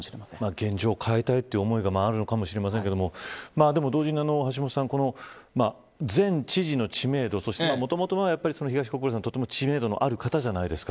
現状を変えたいという思いがあるのかもしれませんが同時に、橋下さん前知事の知名度そしてもともと東国原さんはとても知名度のある方じゃないですか。